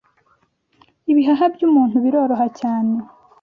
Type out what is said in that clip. Ibihaha by’umuntu biroroha cyane